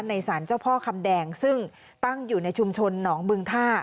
สารเจ้าพ่อคำแดงซึ่งตั้งอยู่ในชุมชนหนองบึงท่า